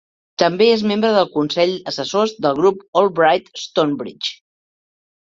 També és membre del Consell d'Assessors del Grup Albright Stonebridge.